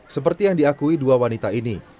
seperti yang diakui dua wanita ini